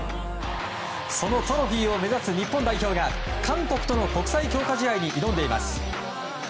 そのトロフィーを目指す日本代表が韓国との国際強化試合に挑んでいます。